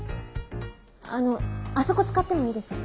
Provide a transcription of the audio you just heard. あのあそこ使ってもいいですか？